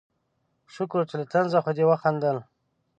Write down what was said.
شکر چې له طنزه خو دې وخندل